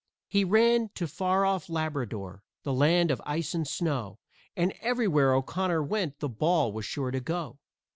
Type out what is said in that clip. He ran to far off Labrador, the land of ice and snow, And everywhere O'Connor went the ball was sure to go.